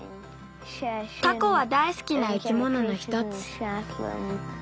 タコはだいすきな生き物のひとつ。